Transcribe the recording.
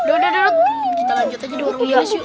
udah udah kita lanjut aja di luar luar